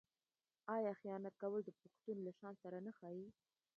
آیا خیانت کول د پښتون له شان سره نه ښايي؟